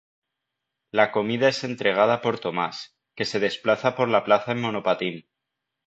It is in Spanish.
La comida es entregada por Tomás, que se desplaza por la plaza en monopatín.